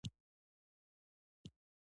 خطیبان چې منبرونو ته خېژي.